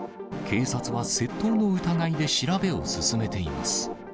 警察は窃盗の疑いで調べを進めています。